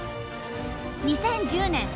２０１０年